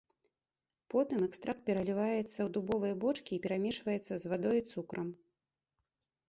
Потым экстракт пералівацца ў дубовыя бочкі і перамешваецца з вадой і цукрам.